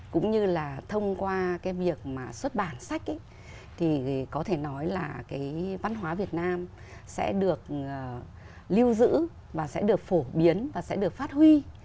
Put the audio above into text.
cũng như là thông qua cái việc mà xuất bản sách thì có thể nói là cái văn hóa việt nam sẽ được lưu giữ và sẽ được phổ biến và sẽ được phát huy